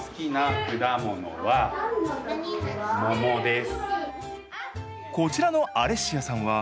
好きな果物はすいかです。